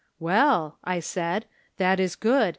" Well," I said, " that is good.